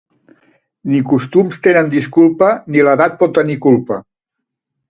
Ni costums tenen disculpa, ni l'edat pot tenir culpa.